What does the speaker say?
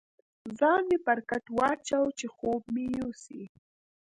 ځان مې پر کټ واچاوه، چې خوب مې یوسي.